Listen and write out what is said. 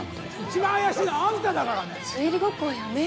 一番怪しいのあんただからね！